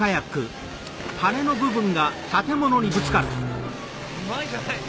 うまいじゃないか！